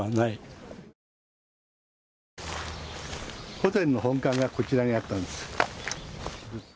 ホテルの本館がこちらにあったんです。